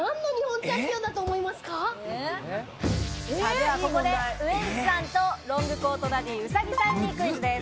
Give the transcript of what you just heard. ではここで、ウエンツさんと、ロングコートダディ・兎さんにクイズです。